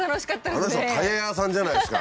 あの人はタイヤ屋さんじゃないですか。